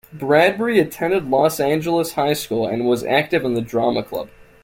Bradbury attended Los Angeles High School and was active in the drama club.